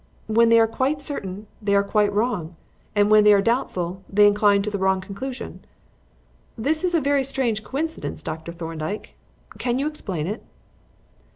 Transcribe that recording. When they are quite certain, they are quite wrong; and when they are doubtful, they incline to the wrong conclusion. This is a very strange coincidence, Dr. Thorndyke. Can you explain it?"